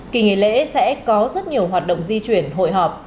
kỳ nghỉ lễ sẽ có rất nhiều hoạt động di chuyển hội họp